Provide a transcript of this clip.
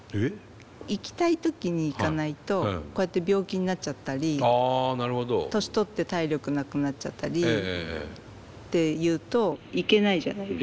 行きたい時に行かないとこうやって病気になっちゃったり年取って体力なくなっちゃったりっていうと行けないじゃないですか。